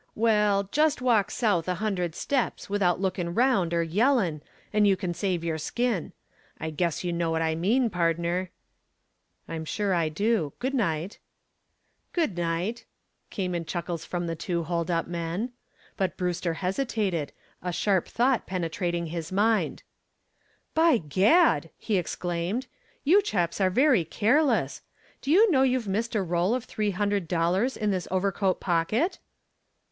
"Well, just walk south a hundred steps without lookin' 'round er yellin' and you kin save your skin. I guess you know what I mean, pardner." "I'm sure I do. Good night." "Good night," came in chuckles from the two hold up men. But Brewster hesitated, a sharp thought penetrating his mind. "By gad!" he exclaimed, "you chaps are very careless. Do you know you've missed a roll of three hundred dollars in this overcoat pocket?"